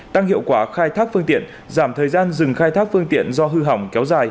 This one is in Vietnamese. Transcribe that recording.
tăng hiệu quả khai thác phương tiện giảm thời gian dừng khai thác phương tiện do hư hỏng kéo dài